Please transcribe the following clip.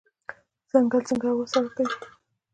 ځنګل څنګه هوا سړه کوي؟